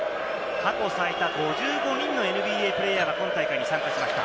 過去最多、５５人のＮＢＡプレーヤーが今大会、参加しました。